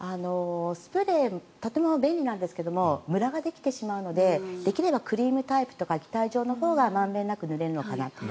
スプレーとても便利なんですがむらができてしまうのでできればクリームタイプとか液体状のほうがまんべんなく塗れるのかなと。